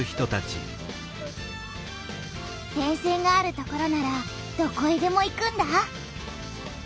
電線がある所ならどこへでも行くんだ。